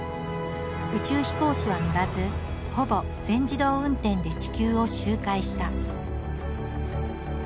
宇宙飛行士は乗らずほぼ全自動運転で地球を周回した。